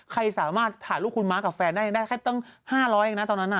ใครสามารถหาลูกคุณมากกับแฟนได้ได้แค่ตั้ง๕๐๐อังนั้น